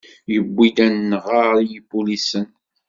Yewwi-d ad naɣer i ipulisen.